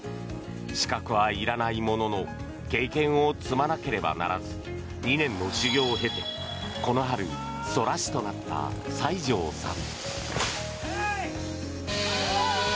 資格はいらないものの経験を積まなければならず２年の修業を経てこの春、空師となった西條さん。